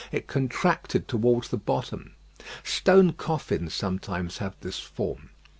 It contracted towards the bottom. Stone coffins sometimes have this form.